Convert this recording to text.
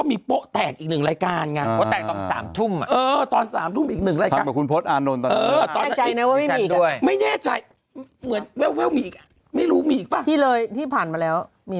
ไม่แน่ใจเรือไม่รู้มีให้เลยที่ผ่านมาแล้วมี